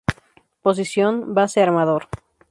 Posición: Base armador.